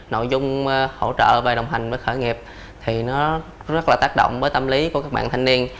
nội dung hỗ trợ và đồng hành với khởi nghiệp thì nó rất là tác động với tâm lý của các bạn thanh niên